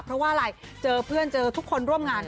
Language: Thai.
เพราะว่าอะไรเจอเพื่อนเจอทุกคนร่วมงาน